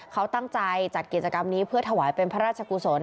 เขาตั้งใจจัดกิจกรรมนี้เพื่อถวายเป็นพระราชกุศล